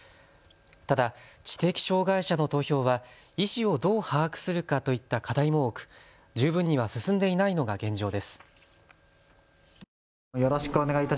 ただ知的障害者の投票は意思をどう把握するかといった課題も多く、十分には進んでいないのが現状です。